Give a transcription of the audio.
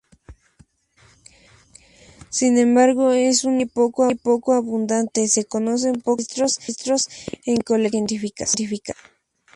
Sin embargo, es una especie poco abundante, se conocen pocos registros en colecciones científicas.